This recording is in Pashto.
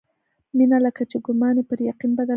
مينه لکه چې ګومان يې پر يقين بدل شوی و.